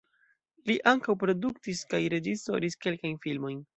Li ankaŭ produktis kaj reĝisoris kelkajn filmojn.